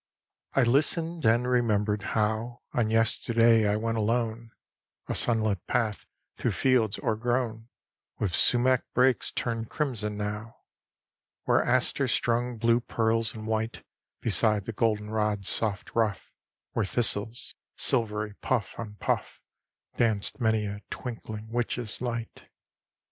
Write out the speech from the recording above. I listened, and remembered how On yesterday I went alone A sunlit path through fields o'ergrown With sumac brakes, turned crimson now; Where asters strung blue pearls and white Beside the goldenrod's soft ruff; Where thistles, silvery puff on puff, Danced many a twinkling witch's light.